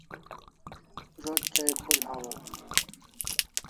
Zo't chai khul hawaw